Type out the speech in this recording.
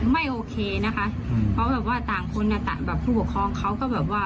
ไม่โอเคนะคะเพราะแบบว่าต่างคนต่างแบบผู้ปกครองเขาก็แบบว่า